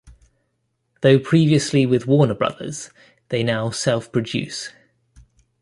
Though previously with Warner Brothers, they now self-produce.